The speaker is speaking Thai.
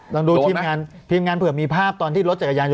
ต้องดูทีมงานเทียบมีภาพตอนที่รถจักรยานอยู่